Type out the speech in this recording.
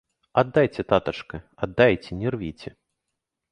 Аддайце, татачка, аддайце, не рвіце!